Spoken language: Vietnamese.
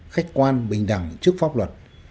khách quan bình đẳng trước pháp luật